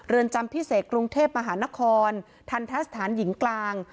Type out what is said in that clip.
จำพิเศษกรุงเทพมหานครทันทะสถานหญิงกลาง